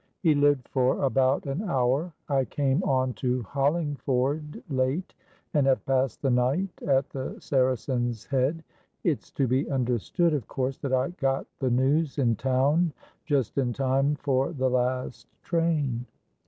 "He lived for about an hour. I came on to Hollingford late, and have passed the night at the Saracen's Head. It's to be understood, of course, that I got the news in town just in time for the last train."